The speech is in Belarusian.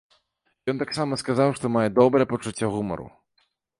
Ён таксама сказаў, што мае добрае пачуццё гумару.